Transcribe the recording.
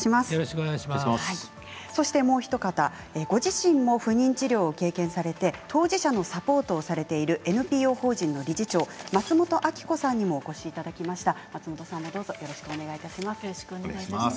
そして、もうひと方ご自身も不妊治療を経験されて当事者のサポートをされているＮＰＯ法人の理事長松本亜樹子さんにもお越しいただきました。